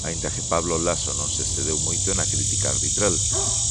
Aínda que Pablo Laso non se excedeu moito na crítica arbitral.